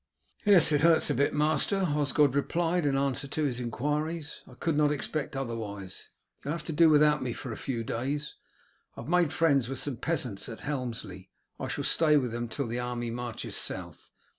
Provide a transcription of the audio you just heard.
"Yes, it hurts a bit, master," Osgod replied in answer to his inquiries. "I could not expect otherwise. You will have to do without me for a few days. I have made friends with some peasants at Helmsley. I shall stay with them till the army marches south.